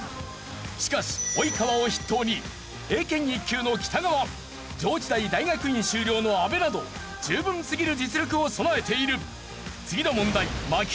しかし及川を筆頭に英検１級の北川上智大大学院修了の阿部など十分すぎる実力を備えている。